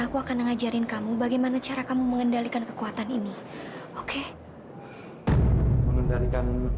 aku akan mengajarin kamu bagaimana cara kamu mengendalikan kekuatan ini oke mengendalikan